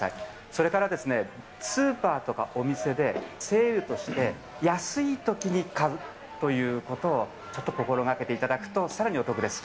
それからスーパーとかお店で、セールとして安いときに買うということをちょっと心がけていただくと、さらにお得です。